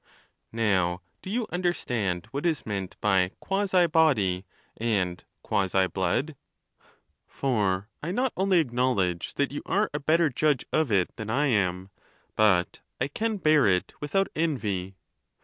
Now, do you understand what is meant by quasi body and qua.si blood ? For I not only acknowledge that you are a better judge of it than I am, but I can bear it with out envy.